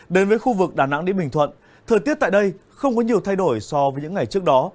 đến với khu vực đà nẵng đến bình thuận thời tiết tại đây không có nhiều thay đổi so với những ngày trước đó